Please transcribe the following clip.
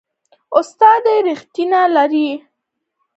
استاد د ریښتیا لاره ښيي.